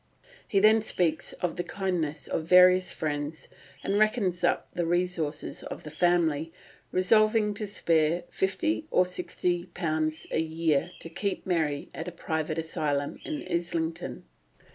He then speaks of the kindness of various friends, and reckons up the resources of the family, resolving to spare £50 or £60 a year to keep Mary at a private asylum at Islington.